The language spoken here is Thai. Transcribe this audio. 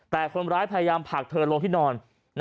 แต่คนร้ายพยายามผลักเธอลงที่นอน